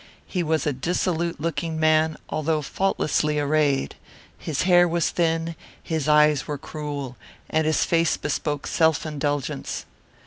He was a dissolute looking man, although faultlessly arrayed. His hair was thin, his eyes were cruel, and his face bespoke self indulgence.